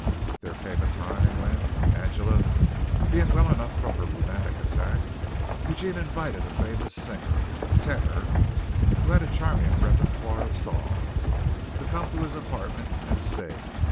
There came a time when, Angela being well enough from her rheumatic attack, Eugene invited a famous singer, a tenor, who had a charming repertoire of songs, to come to his apartment and sing.